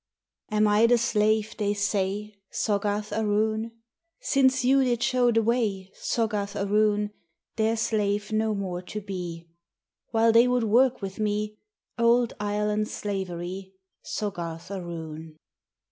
Am I the slave they say, Sogga rth a roon ?* Since you did show the way, Soggarth aroon. Their slave no more to be. While they would work with me Old Ireland's slavery, Soggarth aroon.